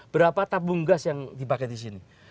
berapa tabung gas yang dipakai di sini